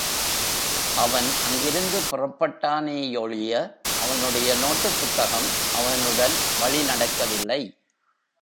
அவன் அங்கிருந்து புறப்பட்டானேயொழிய, அவனுடைய நோட்டுப் புத்தகம் அவனுடன் வழி நடக்கவில்லை.